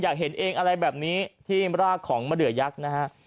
อยากเห็นเองอะไรแบบนี้ที่รากของมะเดือยักษ์นะฮะ